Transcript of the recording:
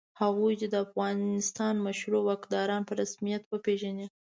هغوی دې د افغانستان مشروع واکداران په رسمیت وپېژني.